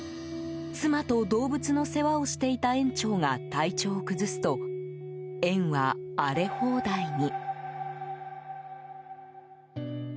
妻と動物の世話をしていた園長が体調を崩すと園は荒れ放題に。